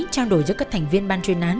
trao đổi giữa các thành viên ban chuyên án